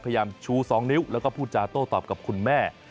ชู๒นิ้วแล้วก็พูดจาโต้ตอบกับคุณแม่